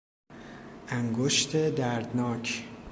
انگشت دردناک